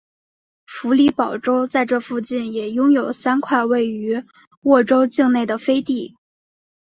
弗里堡州在这附近也拥有三块位于沃州境内的飞地。